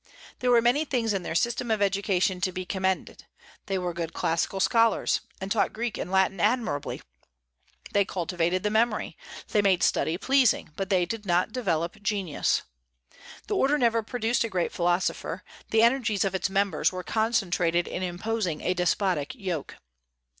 There were many things in their system of education to be commended; they were good classical scholars, and taught Greek and Latin admirably; they cultivated the memory; they made study pleasing, but they did not develop genius. The order never produced a great philosopher; the energies of its members were concentrated in imposing a despotic yoke.